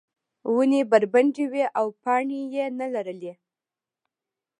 ونې بربنډې وې او پاڼې یې نه لرلې.